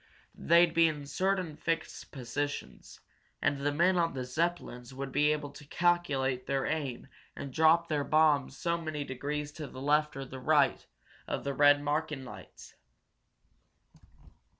They'd be in certain fixed positions, and the men on the Zeppelins would be able to calculate their aim, and drop their bombs so many degrees to the left or right of the red marking lights."